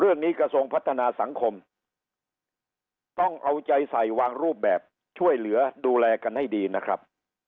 กระทรวงพัฒนาสังคมต้องเอาใจใส่วางรูปแบบช่วยเหลือดูแลกันให้ดีนะครับ